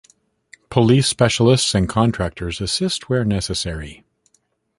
Police specialists and contractors assist where necessary.